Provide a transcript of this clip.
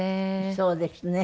そうですね。